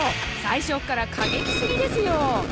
最初っから過激すぎですよ！